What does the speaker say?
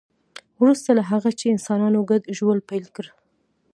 وروسته له هغه چې انسانانو ګډ ژوند پیل کړ